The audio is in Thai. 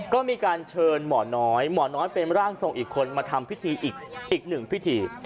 ก็มีการเชิญหมอน้อยหมอน้อยเป็นร่างทรงอีกคนมาทำพิธีอีกหนึ่งพิธี